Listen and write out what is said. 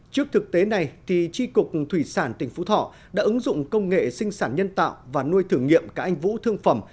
trước thực tế này tri cục thủy sản tỉnh phú thọ đã ứng dụng công nghệ sinh sản nhân tạo và nuôi thử nghiệm cả anh vũ thương phẩm